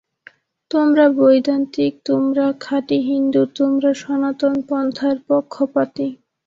তোমরা বৈদান্তিক, তোমরা খাঁটি হিন্দু, তোমরা সনাতন পন্থার পক্ষপাতী।